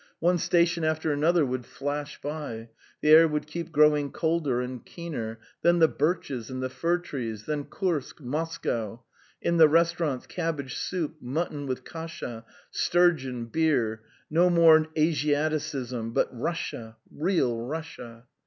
One station after another would flash by, the air would keep growing colder and keener, then the birches and the fir trees, then Kursk, Moscow. ... In the restaurants cabbage soup, mutton with kasha, sturgeon, beer, no more Asiaticism, but Russia, real Russia.